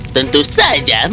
tentu saja mengenalimu